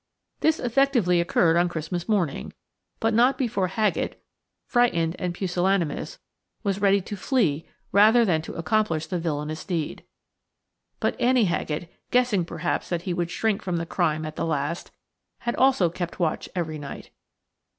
This effectually occurred on Christmas morning, but not before Haggett, frightened and pusillanimous, was ready to flee rather than to accomplish the villainous deed. But Annie Haggett, guessing perhaps that he would shrink from the crime at the last, had also kept watch every night.